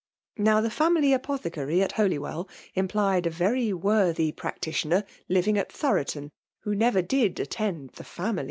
Now the ''family apothecary" at Holywell implied a very worthy practitioner at Thoroton, who never did attend the FBHALE I>OMIK4TIOK.